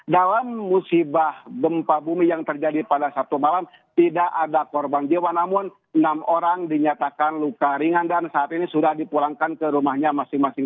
dalam musibah gempa bumi yang terjadi pada sabtu malam tidak ada korban jiwa namun enam orang dinyatakan luka ringan dan saat ini sudah dipulangkan ke rumahnya masing masing